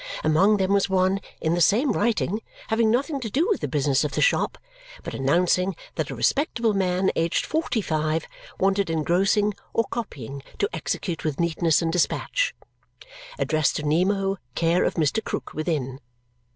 Among them was one, in the same writing, having nothing to do with the business of the shop, but announcing that a respectable man aged forty five wanted engrossing or copying to execute with neatness and dispatch: Address to Nemo, care of Mr. Krook, within.